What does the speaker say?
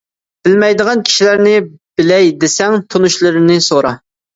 بىلمەيدىغان كىشىلەرنى بىلەي دېسەڭ، تونۇشلىرىنى سورا.